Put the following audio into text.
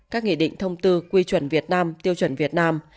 các nghị định thông tư quy chuẩn việt nam tiêu chuẩn việt nam